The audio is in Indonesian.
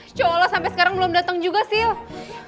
sejauh jauh sampai sekarang belum datang juga silla